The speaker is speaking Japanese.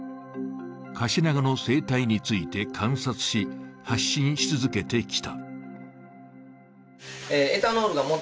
カシナガの生態について観察し、発信し続けてきた。